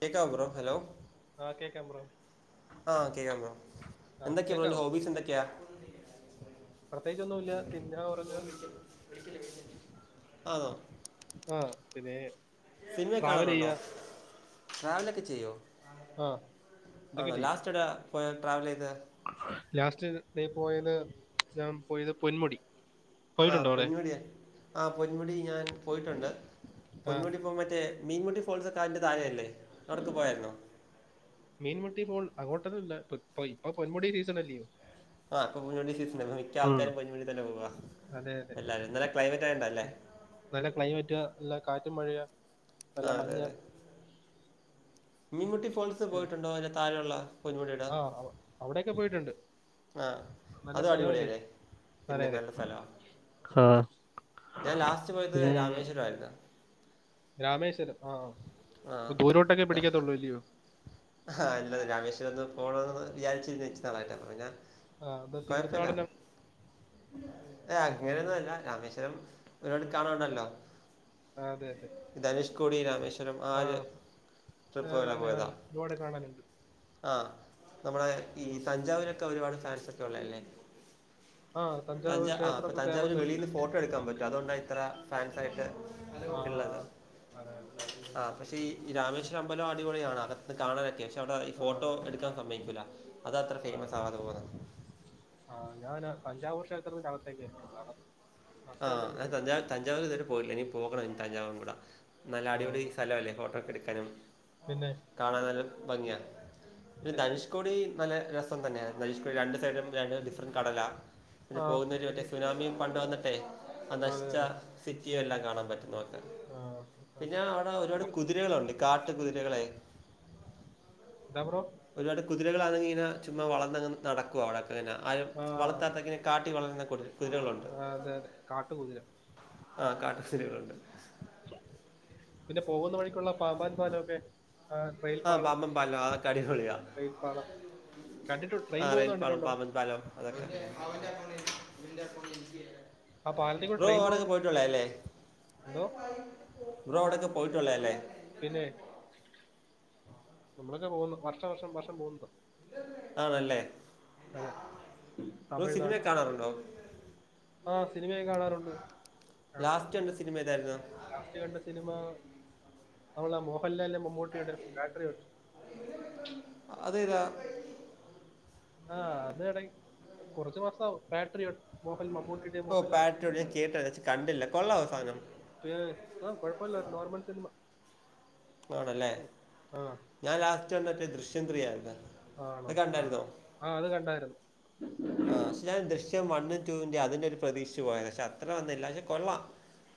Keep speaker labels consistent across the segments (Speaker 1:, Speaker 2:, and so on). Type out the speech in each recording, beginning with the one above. Speaker 1: കേക്കാവോ bro hello?
Speaker 2: ആഹ് കേക്കാം ബ്രോ
Speaker 1: ആഹ് കേക്കാം ബ്രോ
Speaker 2: ആഹ്
Speaker 1: എന്തൊക്കെ ബ്രോ ന്റെ ഹോബീസെന്തൊക്കെയാ?
Speaker 2: പ്രത്യേകിച്ചൊന്നുല്ല തിന്നാ ഒറങ്ങാ
Speaker 1: ആന്നോ?
Speaker 2: ആഹ് പിന്നെ
Speaker 1: സിനിമയെ
Speaker 2: ട്രാവൽ
Speaker 1: കാണാറുണ്ടോ
Speaker 2: ചെയ്യാ
Speaker 1: ട്രാവലൊക്കെ ചെയ്യോ?
Speaker 2: ആഹ് ഇതൊക്കെ
Speaker 1: ആണോ?
Speaker 2: ചെയ്യും
Speaker 1: ലാസ്റ്റ് എവ്ടെ പോയാ ട്രാവലെയ്തെ?
Speaker 2: ലാസ്റ്റ് ദേ പോയത് ഞാൻ പോയത് പൊന്മുടി
Speaker 1: ആ
Speaker 2: പോയിട്ടുണ്ടോ അവിടെ
Speaker 1: പൊഞ്ഞുടിയാ ആ പൊന്മുടി ഞാൻ പോയിട്ടുണ്ട്
Speaker 2: ആഹ്
Speaker 1: പൊൻമുടിപ്പോ മറ്റേ മീൻമുട്ടി ഫോൾസൊക്കെ അതിന്റെ താഴല്ലേ അവിടക്കെ പോയായിരുന്നോ?
Speaker 2: മീൻമുട്ടി പോ ഹോട്ടലല്ലാ ഇപ്പ ഇപ്പ പൊന്മുടി സീസൺല്യോ
Speaker 1: ആഹ് ഇപ്പൊ പൊന്മുടി സീസൺ അല്ലേ മിക്ക ആൾക്കാരും പൊന്മുടി തന്നെ പോവാ
Speaker 2: അതെ അതെ
Speaker 1: എല്ലാരും നല്ല ക്ലൈമറ്റ് ആയോണ്ടാല്ലേ
Speaker 2: നല്ല ക്ലൈമറ്റ് അ നല്ല കാറ്റും മഴയുവാ
Speaker 1: ആഹ് അതെ അതെ മീൻമുട്ടി ഫോൾസ് പോയിട്ടുണ്ടോ അതി ന്റെ താഴെ ഉള്ള
Speaker 2: ആഹ് അവിടെക്കെ പോയിട്ടുണ്ട്
Speaker 1: ആ
Speaker 2: നല്ല
Speaker 1: അതും
Speaker 2: സ്ഥലവല്ലേ
Speaker 1: അടിപൊളിയല്ലേ പിന്നെ
Speaker 2: പറയതെ
Speaker 1: നല്ല
Speaker 2: ഉം
Speaker 1: സ്ഥലമാണ്
Speaker 2: കാർ -
Speaker 1: ഞാൻ ലാസ്റ്റ് പോയത് രാമേശ്വരംമായിരുന്നു
Speaker 2: രാമേശ്വരം ആഹ് ആഹ് പ്പൊ ദൂരോട്ടൊക്കെ പിടിക്കത്തുള്ളൂ അല്ലയോ
Speaker 1: ആഹ് അല്ലത് രാമേശ്വരത്ത് ന്ന് പോണോന്ന് വിചാരിചിരിന്ന് ഇച്ചിരി നാളായിട്ട് അപ്പ പിന്നെ
Speaker 2: ആഹ് അപ്പ തീർത്ഥാടനം
Speaker 1: ഏഹ് അങ്ങനൊന്നു അല്ല രാമേശ്വരം ഒരുപാട് കാണണ്ടല്ലോ?
Speaker 2: ആഹ് അതെ അതെ
Speaker 1: ധനുഷ്കോടി രാമേശ്വരം ആ ഒരു ട്രിപ്പ് പോലെ പോയതാ
Speaker 2: മോഡേ കാണാന്ണ്ട്
Speaker 1: ആഹ് നമ്മടെ ഈ തഞ്ചാവിനൊക്കെ ഒരുപാട് ഫാൻസൊക്കെ ഉള്ളല്ലേ
Speaker 2: ആ തഞ്ചാവൂർ
Speaker 1: തഞ്ചാവ ആഹ്
Speaker 2: ക്ഷേത്രമൊക്കെ
Speaker 1: തഞ്ചാവര്
Speaker 2: ഫേമസ് അല്ലേ
Speaker 1: വെളിയിൽനിന്ന് ഫോട്ടോ എടുക്കാൻ പറ്റും അതുകൊണ്ടാണ് ഇത്ര ഫാൻസ്‌ ആയിട്ട്
Speaker 2: ആഹ് അതെ അതെ
Speaker 1: ആഹ് പക്ഷേ ഈ
Speaker 2: ഉം.
Speaker 1: രാമേശ്വരം അമ്പലം അടിപൊളിയാണ് അകത്ത്ന്ന് കാണാനൊക്കെ പക്ഷെ അവിടെ
Speaker 2: ആ
Speaker 1: ഫോട്ടോ എടുക്കാൻ സമ്മതിക്കുല്ല അതാ ഇത്ര ഫേമസ് ആവാതെ പോകുന്നത്
Speaker 2: ആഹ് ഞാനാ തൻഞ്ചാവുർക്ഷേത്രത്തിന്റെ അകത്തേക്ക് കേറിട്ടുള്ളൂ അക
Speaker 1: ആഹ് ഞാൻ താഞ്ച താഞ്ചാവൂർ ഇതുവരെ പോയില്ല ഇനി പോകണം തഞ്ചാവും കൂടെ നല്ല
Speaker 2: ആ,
Speaker 1: അടിപൊളി സ്ഥലം അല്ലേ ഫോട്ടോക്കെ എടുക്കാനും
Speaker 2: പിന്നെ
Speaker 1: കാണൻ നല്ല ഭംഗിയാ പിന്നെ
Speaker 2: മറ്റേ
Speaker 1: ധനുഷ് കോടി നല്ല രസം തന്നെയായിരുന്നു ധനുഷ് കൊടിടെ രണ്ടു സയ്ടും രണ്ട് ഡിഫറൻറ് കടലാ പിന്നെ
Speaker 2: ആ
Speaker 1: പോകുന്നവരു മറ്റേ
Speaker 2: പിന്നെ
Speaker 1: സുനാമിയും പണ്ട് വന്നിട്ടെ ആ
Speaker 2: അതെ
Speaker 1: നശിച്ച സിറ്റിയും എല്ലാം കാണാൻ പറ്റുന്ന
Speaker 2: ആഹ് [unintelligible]
Speaker 1: ആഹ് ഒരുപാട് കുതിരകളുണ്ട് കാട്ടു കുതിരകളെയ്
Speaker 2: ന്താ ബ്രോ
Speaker 1: ഒരുപാട് കുതിരകളാണെങ്കിങ്ങനെ ചുമ്മാ വളർന്നങ് നടക്കുവാ അവിടെ അതേന ആരും
Speaker 2: ആ
Speaker 1: വളർത്താത്തങ്ങനെ കാട്ടി വളരുന്ന കുതി കുതിരകളുണ്ട്
Speaker 2: ആ, അതെ അതെ കാട്ടുകുതിര
Speaker 1: ആഹ് കാട്ടു സിരികളുണ്ട്
Speaker 2: പിന്നെ പോകുന്ന വഴിക്കുള്ള പാമ്പൻ പാലൊക്കെ ആഹ്
Speaker 1: ആഹ് പാമ്പൻ പാലം അതക്കെ അടിപൊളിയാ
Speaker 2: ട്രെയിൽ പാളം കണ്ടിട്ട് ട്രെയിൻ
Speaker 1: ആഹ്
Speaker 2: പോകുന്ന
Speaker 1: റെയിൽ പാലം
Speaker 2: കണ്ടിട്ടുണ്ടോ
Speaker 1: പാമ്പൻ പാലം അതേപോലെ
Speaker 2: ആ പാലത്തിൽ
Speaker 1: [unintelligible]
Speaker 2: കൂടെ
Speaker 1: ബ്രോ
Speaker 2: ട്രെയിൻ
Speaker 1: അവിടൊക്കെ
Speaker 2: പോകുന്ന
Speaker 1: പോയിട്ടുള്ള അല്ലേ
Speaker 2: എന്തോ
Speaker 1: ബ്രോ അവിടൊക്ക പോയിട്ടുള്ള അല്ലേ
Speaker 2: പിന്നെ നമ്മളൊക്കെ പോകുന്നു വർഷം വർഷം വർഷം പോകുന്നുണ്ട്‌
Speaker 1: ആണ് അല്ലേ
Speaker 2: അതെ
Speaker 1: സിനിമ
Speaker 2: തമിഴ്നാട്
Speaker 1: കാണാറുണ്ടോ
Speaker 2: ആഹ് സിനിമയൊക്കെ കാണാറുണ്ട്
Speaker 1: ലാസ്റ്റ് കണ്ട സിനിമ ഏതായിരുന്നു
Speaker 2: ലാസ്റ്റ് കണ്ട സിനിമ നമ്മളടെ മോഹൻലാലിന്റെയും മമ്മൂട്ടിയുടെയും പാട്രിയോറ്റ്.
Speaker 1: അതേതാ
Speaker 2: ആഹ് അത് എറങ്ങ് കുറച്ചു മാസായി പാട്രിയോട്ട് മോഹൻൽ മമ്മൂട്ടി
Speaker 1: ഓഹ് പാട്രിയോട്ട് ഞാൻ കേട്ട് വച്ച് കണ്ടില്ല കൊള്ളാവോ സാനം
Speaker 2: പിയേ യ് ആഹ് കൊഴപ്പൊല്ല നോർമൽ സിനിമ
Speaker 1: ആണല്ലേ.
Speaker 2: ഉം. ആ
Speaker 1: ഞാൻ ലാസ്റ്റ് കണ്ടത് റ്റേ ദൃശ്യം ത്രീ ആയിരുന്നു.
Speaker 2: ആണോ
Speaker 1: അത്
Speaker 2: ആഹ്.
Speaker 1: കണ്ടായിരുന്നോ
Speaker 2: ആഹ് അത് കണ്ടായിരുന്നു
Speaker 1: ആഹ് പക്ഷെ ഞാൻ ദൃശ്യം വൺ ടു ന്റെ അതിന്റ ഒരു പ്രതീക്ഷിച്ചു പോയതാ പക്ഷെ അത്ര വന്നില്ല പക്ഷെ കൊള്ളാം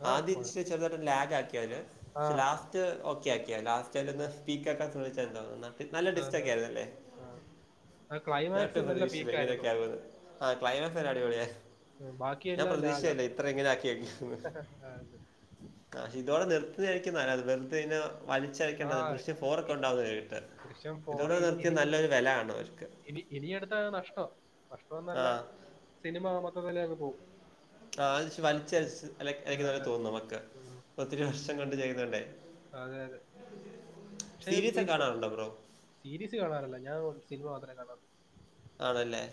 Speaker 2: ആ
Speaker 1: ആദ്യം
Speaker 2: കുഴ-
Speaker 1: ഇച്ചിരി ചെറുതായിട്ട് ഒരു ലാഗ്ആക്കി അവര്
Speaker 2: ആ
Speaker 1: പക്ഷെ ലാസ്റ്റ് അത് ഓക്കെ ആക്കി ലാസ്റ്റൽ ഒന്ന് സ്പീക്കർ [unintelligible] നല്ല ടിസ്റ്റ്
Speaker 2: അതെ
Speaker 1: ഒക്കെ
Speaker 2: അതെ
Speaker 1: ആയിരുന്നു അല്ലെ
Speaker 2: ആ
Speaker 1: ഞാൻ
Speaker 2: ക്ലൈമാക്സ്
Speaker 1: ഒട്ടും
Speaker 2: നല്ല
Speaker 1: പ്രതീക്ഷിച്ചില്ല ഇങ്ങനെ.
Speaker 2: പീക്കായിരുന്നു
Speaker 1: ആഹ് ക്ലൈമസ് ഓക്കേ അടിപൊളിയെ ഞാൻ
Speaker 2: ബാക്കിയെല്ലാം ലാഗ
Speaker 1: പ്രതീക്ഷിച്ചല്ലേ ഇത്ര ഇങ്ങനെ ആക്കിവെക്കും എന്ന് ആഹ് ഇതോടെ നിർത്തുന്നതായിരിക്കും നല്ലത് വെറുതെ അയിന്
Speaker 2: ആ
Speaker 1: വലിച്ചഈഴക്കണ്ട ദൃശ്യം ഫോർ ഒക്കെ
Speaker 2: ഇ-
Speaker 1: ഉണ്ടാവുന്ന കേട്ടെ.
Speaker 2: ദൃശ്യം ഫോർ
Speaker 1: ഇതോടെ നിർത്തിയ നല്ലൊരു വെല കാണും അവർക്ക്!
Speaker 2: ഇനി ഇനി എടുത്ത അത് നഷ്ട. നഷ്ടം
Speaker 1: ആ
Speaker 2: എന്നല്ല സിനിമ മൊത്തത്തിലു പോകും
Speaker 1: ആഹ് അത് വലിച്ചെഴച്ച
Speaker 2: ആ, അതെ
Speaker 1: [unintelligible]
Speaker 2: ഉം.
Speaker 1: ഒത്തിരി വർഷം കൊണ്ട് ചെയ്യുന്നുണ്ടേ.
Speaker 2: അതെ അതെ പക്ഷെ
Speaker 1: സീരീസൊകെയ്
Speaker 2: ഇപ്പൊ
Speaker 1: കാണാറുണ്ടോ ബ്രോ?
Speaker 2: സീരീസ് കാണാറില്ല ഞാൻ സിനിമ മാത്രമേ കാണാറ്
Speaker 1: ആണല്ലേ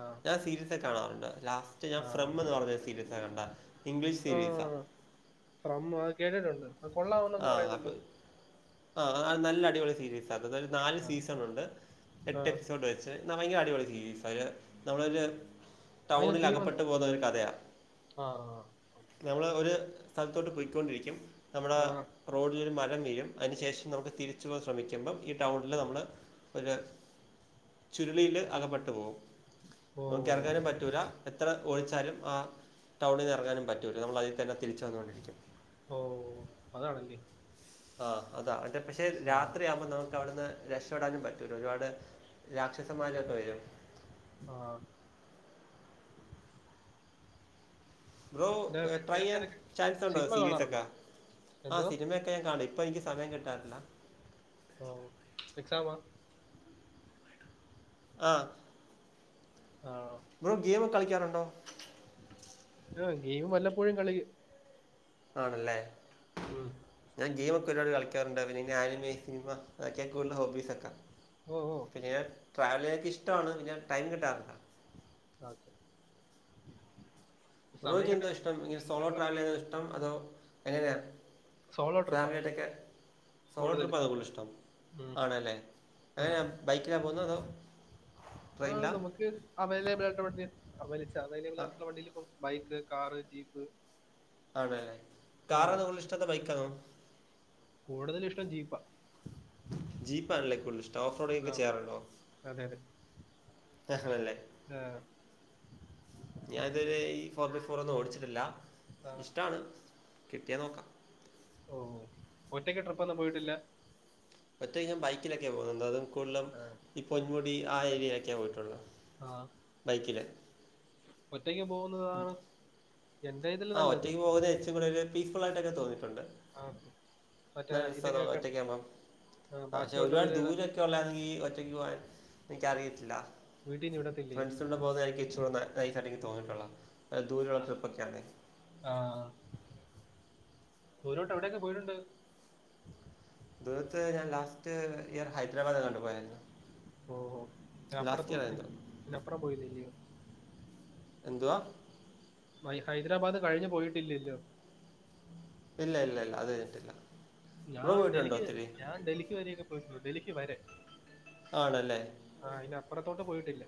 Speaker 2: ആഹ്
Speaker 1: സീരീസൊക്ക കാണാറുണ്ട് ലാസ്റ്റ് ഞാൻ ഫ്രം എന്ന് പറഞ്ഞ സീരീസ് ആഹ് കണ്ട ഇംഗ്ലീഷ്
Speaker 2: ആ
Speaker 1: സീരീസ് ആഹ്
Speaker 2: ഫ്രം. [unintelligible] കേട്ടിട്ടുണ്ട് അത് കൊള്ളാമെന്നൊക്കെ
Speaker 1: ആഹ് അപ്പൊ
Speaker 2: പറയുന്നല്ലോ
Speaker 1: ആഹ് ആഹ് നല്ല അടിപൊളി സീരീസ് ആഹ് അതൊരു നാല്
Speaker 2: ആ
Speaker 1: സീസൺ ഉണ്ട്
Speaker 2: ആ.
Speaker 1: എട്ട് എപ്പിസോഡ് വരും അത് എന്നാൽ ഭയങ്കര അടിപൊളി സീരിയസ് ആഹ് നമ്മളൊരു ടൗണിൽ അകപ്പെട്ട് പോകുന്ന ഒരു കഥയാ
Speaker 2: ആഹ് ആഹ്
Speaker 1: നമ്മൾ ഒരു സ്ഥലത്തോട്ട് പോയികൊണ്ടിരിക്കും നമ്മുടെ
Speaker 2: ആ.
Speaker 1: റോഡിലൊരു മരം വീഴും അതിനുശേഷം നമുക്ക് തിരിച്ചു പോകൻ ശ്രമിക്കുമ്പം ഈ ടൗണില് നമ്മള് ഒരു ചുരുളിയില് അകപ്പെട്ടു പോകും
Speaker 2: ഓ
Speaker 1: നമ്മുക്കിറങ്ങാനും പറ്റൂല. എത്ര ഓടിച്ചാലും ആഹ് ടൗണിൽ നിന്ന് ഇറങ്ങാനും പറ്റില്ല. നമ്മൾ അതിൽ തന്നെ തിരിച്ചു വന്നു കൊണ്ടിരിക്കും
Speaker 2: ഓഹ് അതാണല്ലേ
Speaker 1: ആഹ് അതാ അതേ പക്ഷെ
Speaker 2: ആ
Speaker 1: രാത്രിയാവുമ്പോൾ നമുക്ക് അവിടുന്ന് രക്ഷ രക്ഷപെടാനും പറ്റൂല ഒരുപാട് രാക്ഷസന്മാരൊക്കെ വരും
Speaker 2: ആഹ്
Speaker 1: ബ്രോ.
Speaker 2: പിന്നെ വേറെ
Speaker 1: ട്രൈ ചെയ്യാൻ
Speaker 2: ഏതൊക്കെ
Speaker 1: ചാൻസ് ഉണ്ടോ
Speaker 2: സിനിമ കാണാറുണ്ടോ
Speaker 1: സീരീസൊക്കെ? ആ
Speaker 2: എന്തോ
Speaker 1: സിനിമക്കെ ഓക്കേ ഞാൻ കണും ഇപ്പൊ എനിക്ക് സമയം കിട്ടാറില്ല
Speaker 2: ഓഹ് എക്സാം
Speaker 1: ആഹ്
Speaker 2: ആണോ?
Speaker 1: ബ്രോ. ഗെയിമൊക്കെ കളിക്കാറുണ്ടോ?
Speaker 2: ആഹ് ഗെയിം വല്ലപ്പോഴും കളിക്കും
Speaker 1: ആണ ല്ലേ
Speaker 2: ഉമ്
Speaker 1: ഞാൻ ഗെയിമൊക്കെ ഒരുപാട് കളിക്കാറുണ്ട് പിന്നെ ആനിമി സിനിമ അതൊക്കെ ആഹ് കൂടുതൽ ഹോബ്ബിസൊക്കെ
Speaker 2: ഓഹ് ഓഹ്
Speaker 1: പിന്നെ ഞാൻ ട്രാവൽ കെ ഇഷ്ടമാണ് പിന്നെ ടൈം കിട്ടാറില്ല
Speaker 2: ഓക്കെ സമയം
Speaker 1: ബ്രോയ്ക്ക്എന്താ
Speaker 2: കിട്ടാൻ
Speaker 1: ഇഷ്ടം? ഇങ്ങനെ സോളോ ട്രാവൽ ചെയ്യുന്നതാണോ ഇഷ്ടം? അതോ എങ്ങനെയാ
Speaker 2: സോളോ ട്രിപ്പാ
Speaker 1: ഫാമിലിയായിട്ടൊക്കെ സോളോ ട്രിപ്പ് ആണോ കൂടുതൽ ഇഷ്ടം. ആണല്ലേ എങ്ങനെയാ ബൈക്കിലാ പോകുന്നത് അതോ
Speaker 2: ആഹ്
Speaker 1: ട്രെയിനിലാ
Speaker 2: നമ്മുക്ക് അവൈലബിളായിട്ടുള്ള വണ്ടി വിളിച്ചാ അവൈലബിൾ
Speaker 1: ആ
Speaker 2: ആയിട്ടുള്ള വണ്ടിയിൽ പ്പം ബൈക്ക്, കാറ്, ജീപ്പ്,
Speaker 1: അതെ
Speaker 2: അതെ
Speaker 1: കാറാനോ കൂടുതൽ ഇഷ്ടം അതോ ബൈക്കാനോ?
Speaker 2: കൂടുതൽ ഇഷ്ടം ജീപ്പാ.
Speaker 1: ജീപ്പാണല്ലേ കൂടുതൽ ഇഷ് ഓഫ് റോഡ് ഒക്കെ
Speaker 2: ആ
Speaker 1: ചെയ്യാറുണ്ടോ?
Speaker 2: അതെ അതെ
Speaker 1: ആഹ് അല്ലേ?
Speaker 2: ആ,
Speaker 1: ഞാൻ ഇതുവരെയും ഈ ഫോർ ബൈ ഫോർ ഒന്നും ഓടിച്ചിട്ടില്ല.
Speaker 2: ആ,
Speaker 1: ഇഷ്ടാണ്. കിട്ടിയാ നോക്കാം.
Speaker 2: ഒറ്റയ്ക്ക് ട്രിപ്പ് ഒന്നും പോയിട്ടില്ല?
Speaker 1: ഒറ്റയ്ക്ക് ഞാൻ ബൈക്കിലൊക്കെയാ പോകുന്നത് കൊല്ലം
Speaker 2: ആ,
Speaker 1: ഈ പൊന്മുടി ആ ഏരിയായിലൊക്കെയാ പോയിട്ടുള്ളു.
Speaker 2: ആഹ്
Speaker 1: ബൈക്കില്.
Speaker 2: ഒറ്റയ്ക്ക് പോകുന്നതാണ്. എന്റെ ഇതിൽ
Speaker 1: ആ
Speaker 2: നല്ലത്
Speaker 1: ഒറ്റക്ക് പോകുന്നത് ഇച്ചിരി കൂടെ ഒരു പീസ് ഫുൾ ആയിട്ടൊക്കെ തോന്നിട്ടുണ്ട്.
Speaker 2: ആ, മറ്റേ
Speaker 1: നല്ല
Speaker 2: ഇത് കേൾക്കാൻ
Speaker 1: രസവാഒറ്റക്കാവുമ്പം. ആ പക്ഷെ ഒരുപാട്
Speaker 2: ബാക്കിയുള്ളവരുടെ
Speaker 1: ദൂരെ [unintelligible] ഒറ്റയ്ക്ക് പോകാൻ എനിക്കറിയത്തില്ല.
Speaker 2: വീട്ടിൽ നിന്ന് വിടത്തില്ലയോ
Speaker 1: ഫ്രണ്ട്സിന്റെ കൂടെ പോകുന്നതായിരിക്കുംഇച്ചിരി കൂടെ ന റൈസായിട്ട് എനിക്ക് തോന്നിട്ടുള്ള ദൂരെയുള്ള ട്രിപ്പ് ഒക്കെയാണങ്കി
Speaker 2: ആഹ് ദൂരോട്ട് എവിടെയൊക്കെ പോയിട്ടുണ്ട്?
Speaker 1: [unintelligible] [unintelligible] ഹൈദരാബാദിലെങ്ങാണ്ട് പോയായിരുന്നു. ലാസ്റ്റ് ഇയർ ആയിരുന്നു
Speaker 2: അപ്പുറം പോയില്ലില്ല്യോ?
Speaker 1: എന്തുവാ?
Speaker 2: വൈ ഹൈദരാബാദ് കഴിഞ്ഞ് പോയിട്ടില്ലല്ലോ?
Speaker 1: ഇല്ലില്ലല്ലഅത് കഴിഞ്ഞിട്ടില്ല. ബ്രോ
Speaker 2: ഞാൻ
Speaker 1: പോയിട്ടുണ്ടോ
Speaker 2: ഡൽഹി
Speaker 1: ഒത്തിരി
Speaker 2: ഞാൻ ഡൽഹി വരെയൊക്കെ പോയിട്ടുള്ളു ഡൽഹി വരെ.
Speaker 1: ആണല്ലേ?
Speaker 2: ആ അതിന്റെ അപ്പുറത്തോട്ട് പോയിട്ടില്ല.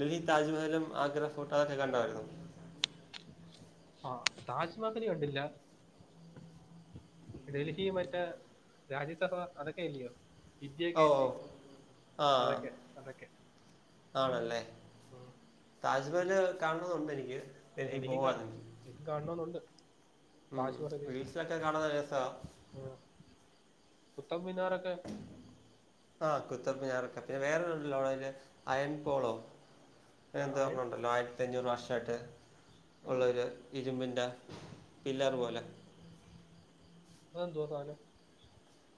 Speaker 1: ഡൽഹി താജ്മഹലും ആഗ്ര ഫോട്ടോ അതൊക്കെ കണ്ടതായിരുന്നോ?
Speaker 2: ആ താജ്മഹല്കണ്ടില്ല- ഡൽഹി മറ്റേ രാജ്യസഭാ അതെക്കെയല്ലിയോ? ഇന്ത്യ
Speaker 1: ഓ ഓ
Speaker 2: ഗേറ്റ്
Speaker 1: ആ
Speaker 2: അതൊക്കെ അതൊക്കെ-
Speaker 1: ആണല്ലേ?
Speaker 2: ഉം.
Speaker 1: താജ്മഹല് കാണണമെന്ന് ഉണ്ട് എനിക്ക്. ഡൽഹി
Speaker 2: എനിക്കും
Speaker 1: പോവാണെങ്കിൽ
Speaker 2: കാണെണമെന്ന് ഉണ്ട്
Speaker 1: ഉം
Speaker 2: താജ് മഹല്.
Speaker 1: റീൽസിലൊക്കെ കാണുന്ന രസാ
Speaker 2: കുത്തബ് മിനാറൊക്കെ
Speaker 1: ആ കുത്തബ് മിനാറൊക്കെ പിന്നെ വേറെഒന്നുങ്ങല്ലോ അതില് അയൻ പോളോ എന്തോ
Speaker 2: അയൺ
Speaker 1: ഒരെണ്ണമുണ്ടല്ലോ ഞ്ഞൂറ് വർഷമായിട്ട് ഉള്ളൊരു ഇരുമ്പിൻ്റെ പില്ലർ പോലെ
Speaker 2: അത് എന്തുവാസാധനം?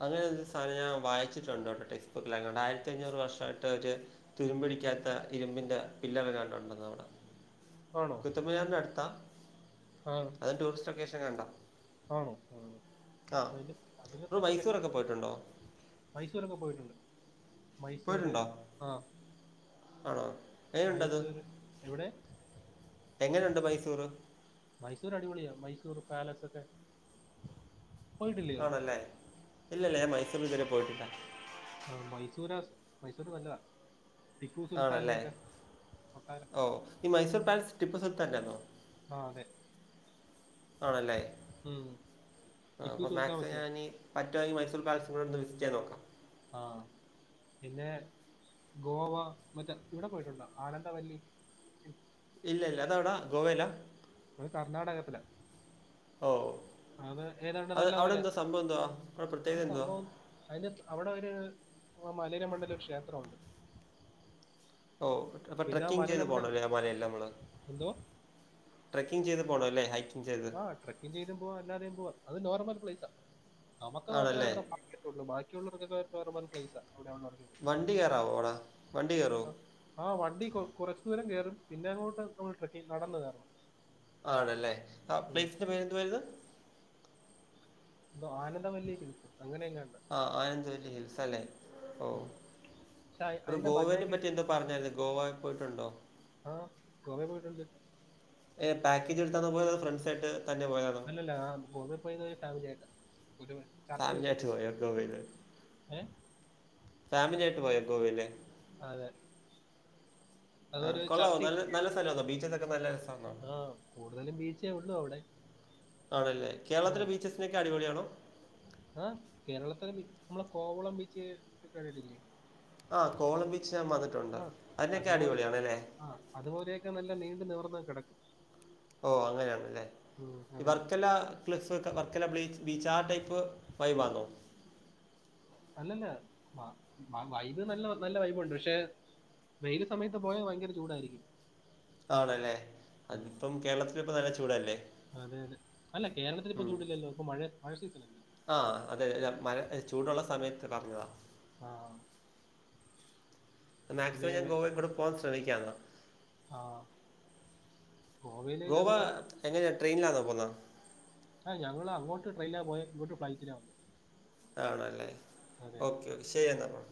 Speaker 1: അങ്ങനെ ഒരു സാധനം ഞാൻ വായിച്ചിട്ടുണ്ടോട്ടോ ടെസ്റ്റ് ബുക്കിലെങ്ങാണ്ടെ ആയിരത്തി ഞ്ഞൂറ് വർഷമായിട്ട് ഒരു തുരുമ്പ് പിടിക്കാത്ത ഇരുമ്പിന്റെ പില്ലർ എങ്ങാണ്ട് ഉണ്ടന്ന് പറ
Speaker 2: ആണോ?
Speaker 1: കുത്തബ്മിനാറിന്റെ അടുത്താ?
Speaker 2: ആണ്.
Speaker 1: അത് ടൂറിസ്റ്റ് ലൊക്കേഷൻ കണ്ടോ?
Speaker 2: ആണോ അ അതിനെപ്പറ്റി കേട്ടിട്ടില്ല
Speaker 1: ഒക്കെ പോയിട്ടുണ്ടോ
Speaker 2: മൈസൂരൊക്കെ പോയിട്ടുണ്ട് മൈസൂര്
Speaker 1: പോയിട്ടുണ്ടോ
Speaker 2: ആഹ്
Speaker 1: ആണോ? എങ്ങനെയുണ്ടത്
Speaker 2: മൈസൂര് എവിടെ?
Speaker 1: എങ്ങനെയുണ്ട് മൈസൂർ?
Speaker 2: മൈസൂർ അടിപൊളിയാ മൈസൂർ പാലസ് ഒക്കെ. പോയിട്ടില്ലയോ
Speaker 1: ആണല്ലേ ഇല്ലല്ലേഞാൻ മൈസൂരിൽ ഇതുവരെ പോയിട്ടില്ല.
Speaker 2: ആ മൈസൂര് മൈസൂർ നല്ലതാണ് ടിപ്പു
Speaker 1: ആണല്ലേ
Speaker 2: സുൽത്താൻന്റെക്കൊ കൊട്ടാരം.
Speaker 1: ഓ ഈ മൈസൂർ പാലേസ് ടിപ്പു സുർത്തററ്ആണോ?
Speaker 2: ആ അതെ
Speaker 1: ആണല്ലേ
Speaker 2: ഉം
Speaker 1: ആ
Speaker 2: ടിപ്പു
Speaker 1: അപ്പോൾ
Speaker 2: സുൽത്താൻ
Speaker 1: മാക്സ്
Speaker 2: വെച്ച
Speaker 1: ഞാനീ പട്ടുവാണേൽ മൈസൂർ പാലസ് ഒന്ന് വിസിറ്റ് ചെയ്യാൻ നോക്കാം
Speaker 2: ആഹ പിന്നെ ഗോവ മറ്റേ ഇവിടെ പോയിട്ടുണ്ടോ ആനന്ദവല്ലി
Speaker 1: ഇല്ല ഇല്ല അതവിടാ ഗോവയിലാ
Speaker 2: ഇത് കർണ്ണാടകത്തില
Speaker 1: ഓ
Speaker 2: ഏതാണ്ട്
Speaker 1: അത്
Speaker 2: നല്ല
Speaker 1: അവിടെ
Speaker 2: പോലെ
Speaker 1: എന്തോ സംഭവം എന്തവാ അവിടെ പ്രത്യേകത ന്താ
Speaker 2: അതിന്റെ അവിടെ ഒരു മലേടെ മണ്ടല് ഒരു ക്ഷേത്രമുണ്ട്
Speaker 1: ഓ അപ്പോൾ
Speaker 2: പിന്നെ ആ
Speaker 1: ട്രക്കിങ് ചെയ്ത്
Speaker 2: മലയിലെ മണ്ടയിൽ
Speaker 1: പോണല്ലേ ആ മലയെല്ലാം നമ്മള്.
Speaker 2: എന്തോ
Speaker 1: ട്രക്കിങ് ചെയ്ത് പോണല്ലേ ഹൈറ്റ്
Speaker 2: ആഹ ട്രക്കിങ് ചെയ്തും പോവാ അല്ലാതെയും പോവാം അത് നോർമൽ പ്ലേസ ആ നമുക്ക് മാത്രേ
Speaker 1: ആണല്ലേ
Speaker 2: അത് റ്റുള്ളൂ ബാക്കിയുള്ളവർക്ക് നോർമൽ പ്ലൈസ് അവിടെള്ള
Speaker 1: വണ്ടി കയറാവോടാ വണ്ടി കയറുവോ
Speaker 2: ആഹ് വണ്ടി കുറച്ചു ദൂരം കയറും പിന്നെ അങ്ങോട്ട് നമ്മൾ ട്രക്കിങ്ങ് നടന്നു കയറണം
Speaker 1: ആണല്ലേ ആ പ്ലേസിന്റെ പേരെന്തുവായിരുന്നു
Speaker 2: ഇന്തോ ആനന്ദവല്ലി ഹിൽസസ് അങ്ങനെങ്ങാണ്ട്
Speaker 1: ആ ആനന്ദവല്ലി ഹിൽസ് അല്ലേ ഓ
Speaker 2: പക്ഷെ അ-
Speaker 1: ഒരു
Speaker 2: അതിന്റെ
Speaker 1: ഗോവനെ
Speaker 2: ബഡ്ഡയൊക്കെ
Speaker 1: പറ്റി എന്താ പറഞ്ഞായിരുന്നു ഗോവ പോയിട്ടുണ്ടോ
Speaker 2: ആഹ ഗോവേ പോയിട്ടുണ്ട്
Speaker 1: പാക്കേജ് എടുത്താ പോയത് അതൊ ഫ്രണ്ട്‌സ് ആയിട്ട് തന്നെ പോയ
Speaker 2: അല്ലല്ല ആ ഗോവൽ പോയത് ഫാമിലി ആയിട്ടാ ഒരു ചർച്ചു
Speaker 1: ഫാമിലി
Speaker 2: വിസിറ്റ്
Speaker 1: ആയിട്ട്
Speaker 2: ചെയ്യ
Speaker 1: പോയോ ഗോവയില്
Speaker 2: ഏ
Speaker 1: ഫാമിലിയായിട്ട് പോയ ഗോവയിലെ
Speaker 2: അതെ
Speaker 1: ആഹ
Speaker 2: അതൊരു
Speaker 1: കൊള്ളാവോ നല്ല നല്ല സ്ഥലോന്നോ ബീച്ചോക്കെ നല്ലരസമാണോ
Speaker 2: ആഹ കൂടുതലും ബീച്ചേ ഉള്ളൂ അവിടെ
Speaker 1: ആണല്ലേ
Speaker 2: ആ
Speaker 1: കേരളത്തിലെ ബീച്ചസിനേക്കാളും അടിപൊളിയാണോ
Speaker 2: ആ കേരളത്തില നമ്മളെ കോവളം ബീച്ച് കണ്ടിട്ടില്ലേ
Speaker 1: ആ് കോവളം ബീച്ച് ഞാൻ വന്നിട്ടുണ്ട്
Speaker 2: ആ
Speaker 1: അതിനേക്കാൾ
Speaker 2: അതുപോലെ
Speaker 1: അടിപൊളിയാണല്ലേ
Speaker 2: ആ അതുപോലെയൊക്കെ നല്ല നീണ്ട് നിവർന്ന് കിടക്കാ
Speaker 1: ഓ അങ്ങനെയാണല്ലേ ഈ
Speaker 2: അതെ
Speaker 1: വർക്കെല്ലാ ക്ലിസ് വർക്കല ബ്ലീച്ച് ബീച്ച് ആ ടൈപ്പ് വൈബാണോ
Speaker 2: അല്ലല്ല വൈബ് നല്ല നല്ല വൈബണ്ട് പക്ഷെ വെയിൽ സമയത്ത് പോയാൽ ഭയങ്കര ചൂടായിരിക്കും
Speaker 1: ആണല്ലേ
Speaker 2: ഉം,
Speaker 1: അതിപ്പം കേരളത്തി ഇപ്പ നല്ല ചൂടല്ലേ
Speaker 2: അതെ അതെ അല്ല കേരളത്തിൽ ഇപ്പൊ ചൂടല്ലല്ലോ അപ്പൊ മഴ മഴ സീസൺ അല്ലേ
Speaker 1: ആ അതെ ഞാ മഴ ചൂടുള്ള സമയത്ത് പറഞ്ഞതാണ്
Speaker 2: ആഹ പിന്നെ
Speaker 1: മാക്സിമം ഞാൻ ഗോവയിൽ കൂടെ പോവാൻ ശ്രമിക്കാണ്
Speaker 2: ആഹ
Speaker 1: ഗോവ, എങ്ങനെയാണ് ട്രെയിനിലാന്ന പോകുന്നത്?
Speaker 2: ആ ഞങ്ങള് അങ്ങോട്ട് ട്രെയിനില പോയ, ഇങ്ങോട്ട് ഫ്‌ളൈറ്റില വന്നത്.
Speaker 1: ആണല്ലേ
Speaker 2: അതെ
Speaker 1: ഓക്കെ, ശരി എന്നാൽ ബ്രോ.